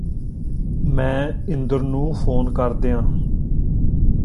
ਮੈਂ ਇੰਦਰ ਨੂੰ ਫ਼ੋਨ ਕਰ ਦਿਆਂ